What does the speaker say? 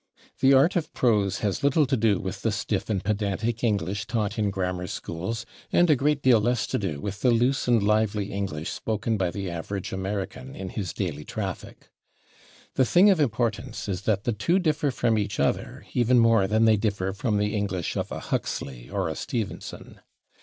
The art of prose has little to do with the stiff and pedantic English taught in grammar schools and a great deal less to do with the loose and lively English spoken by the average American in his daily traffic. The thing of importance is that the two differ from each other even more than they differ from the English of a Huxley or a Stevenson.